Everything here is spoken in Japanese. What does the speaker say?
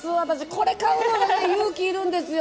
これ、買うのに勇気がいるんですよ！